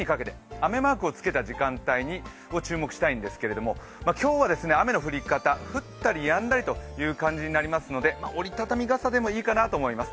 雨マークをつけた時間帯に注目したいんですけれども今日は雨の降り方、降ったりやんだりという感じになりますので折り畳み傘でもいいかなと思います。